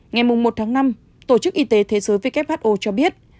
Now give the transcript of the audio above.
ngày một tháng năm tổ chức y tế thế giới who cho biết